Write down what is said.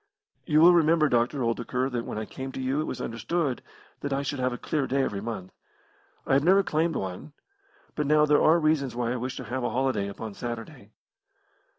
"You will remember, Dr. Oldacre, that when I came to you it was understood that I should have a clear day every month. I have never claimed one. But now there are reasons why I wish to have a holiday upon Saturday."